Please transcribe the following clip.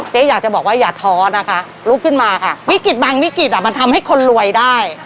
อยากจะบอกว่าอย่าท้อนะคะลุกขึ้นมาค่ะวิกฤตบางวิกฤตอ่ะมันทำให้คนรวยได้